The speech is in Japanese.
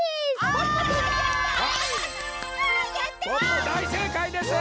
ポッポだいせいかいです！